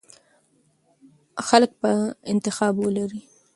خلک به انتخاب ولري.